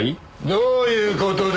どういう事だ？